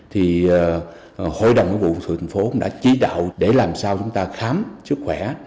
thành phố đã chí đạo để làm sao chúng ta khám sức khỏe